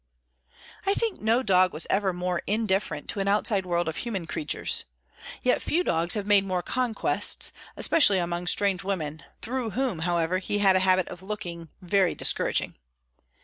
I think no dog was ever more indifferent to an outside world of human creatures; yet few dogs have made more conquests—especially among strange women, through whom, however, he had a habit of looking—very discouraging.